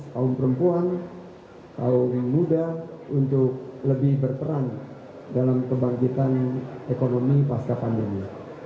kaum perempuan kaum yang muda untuk lebih berperan dalam kebangkitan ekonomi pasca pandemi